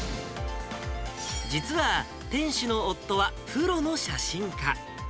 実は店主の夫はプロの写真家。